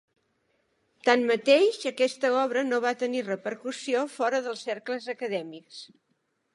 Tanmateix aquesta obra no va tenir repercussió fora dels cercles acadèmics.